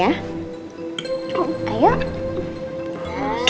apaanja itu kudu siap seperti siap